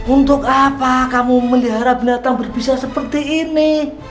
untuk apa kamu melihara binatang berbisa seperti ini